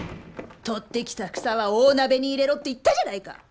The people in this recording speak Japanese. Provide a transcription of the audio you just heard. とってきた草は大鍋に入れろって言ったじゃないか！